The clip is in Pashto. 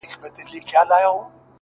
o پاچا صاحبه خالي سوئ. له جلاله یې.